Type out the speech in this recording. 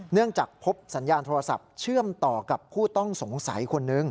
จากพบสัญญาณโทรศัพท์เชื่อมต่อกับผู้ต้องสงสัยคนนึง